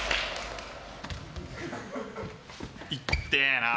いってえな。